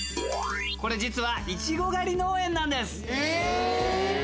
これ実はいちご狩り農園なんです。